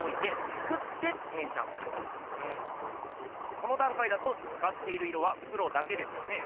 このだんかいだとつかっている色は黒だけですよね？